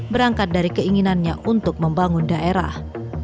berangkat dari keinginannya untuk membangun daerah